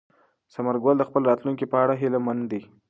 ثمر ګل د خپل راتلونکي په اړه هیله من دی.